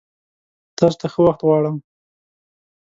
تاسو ته ښه وخت غوړم!